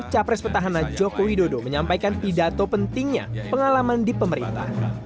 capres petahana joko widodo menyampaikan pidato pentingnya pengalaman di pemerintah